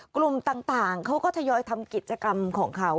กลุ่มต่างเขาก็ทยอยทำกิจกรรมของเขา